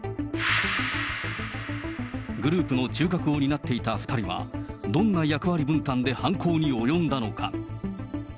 グループの中核を担っていた２人は、どんな役割分担で犯行に及んだのか。